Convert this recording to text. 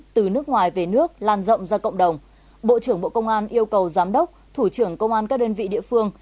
từ nước ngoài về nước lan rộng ra cộng đồng bộ trưởng bộ công an yêu cầu giám đốc thủ trưởng công an các đơn vị địa phương